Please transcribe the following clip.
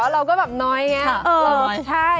เราก็แบบน้อยไงเออใช่